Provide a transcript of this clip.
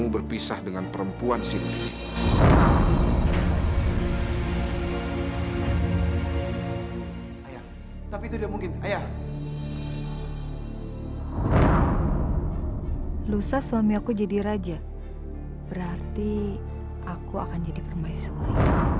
berarti aku akan jadi permaisuri